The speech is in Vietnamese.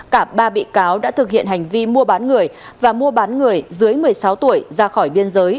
cả ba bị cáo đã thực hiện hành vi mua bán người và mua bán người dưới một mươi sáu tuổi ra khỏi biên giới